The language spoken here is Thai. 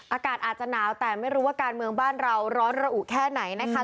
อากาศอาจจะหนาวแต่ไม่รู้ว่าการเมืองบ้านเราร้อนระอุแค่ไหนนะคะ